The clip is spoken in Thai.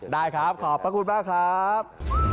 ได้ครับขอบพระคุณมากครับ